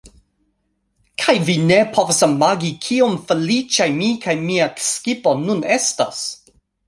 Kaj vi ne povas imagi kiom feliĉaj mi kaj mia skipo nun estas